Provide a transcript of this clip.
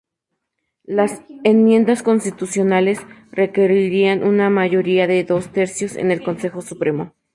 Las enmiendas constitucionales requerirían una mayoría de dos tercios en el Consejo Supremo.